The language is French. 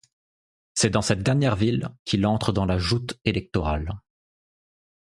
C'est dans cette dernière ville qu'il entre dans la joute électorale.